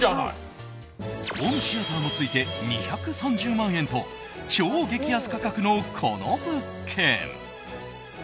ホームシアターもついて２３０万円と超激安価格の、この物件。